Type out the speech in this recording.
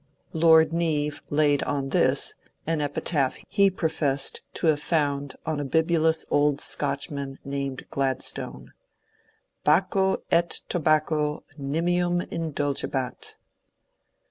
Lord Neave laid on this an epitaph he professed to have found on a bibulous old Scotch man named Gladstone :'^ Baccho et Tobacco nimium indul gebat."